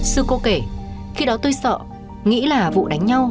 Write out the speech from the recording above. sư cô kể khi đó tôi sợ nghĩ là vụ đánh nhau